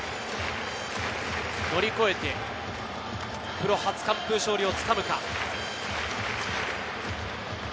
乗り越えて、プロ初完封勝利をつかむか？